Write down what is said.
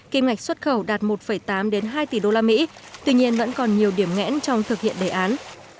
kim ngạch xuất khẩu đạt một tám hai tỷ usd tuy nhiên vẫn còn nhiều điểm ngẽn trong thực hiện đề án